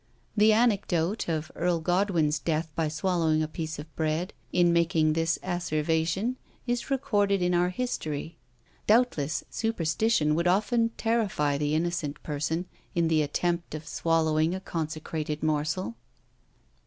The anecdote of Earl Godwin's death by swallowing a piece of bread, in making this asseveration, is recorded in our history. Doubtless superstition would often terrify the innocent person, in the attempt of swallowing a consecrated morsel.